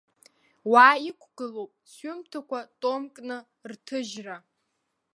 Уа иқәгылоуп сҩымҭақәа томкны рҭыжьра.